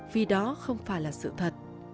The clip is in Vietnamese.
vì đó không phải là sự thật